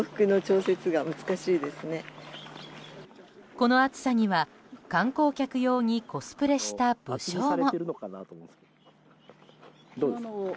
この暑さには、観光客用にコスプレした武将も。